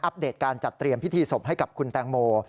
เดตการจัดเตรียมพิธีศพให้กับคุณแตงโม